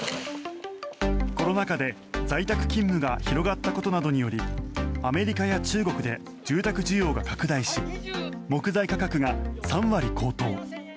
コロナ禍で在宅勤務が広がったことなどによりアメリカや中国で住宅需要が拡大し木材価格が３割高騰。